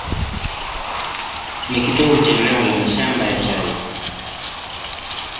Ni kitovu cha eneo la mashamba ya chai.